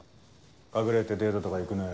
隠れてデートとか行くなよ。